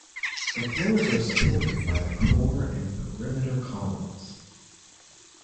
The floors are supported by the core and perimeter columns.